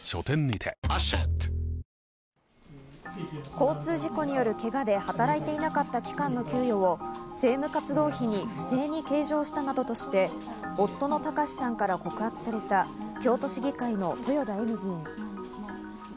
交通事故によるけがで働いていなかった期間の給与を政務活動費に不正に計上したなどとして、夫の貴志さんから告発された京都市議会の豊田恵美議員。